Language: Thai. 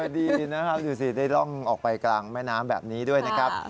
ดีนะครับดูสิได้ร่องออกไปกลางแม่น้ำแบบนี้ด้วยนะครับ